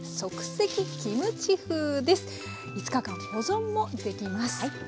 ５日間保存もできます。